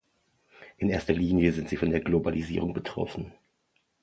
In erster Linie sind sie von der Globalisierung betroffen.